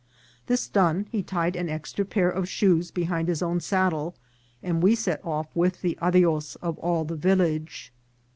This done, he tied an extra pair of shoes behind his own saddle, and we set off with the adios of all the village.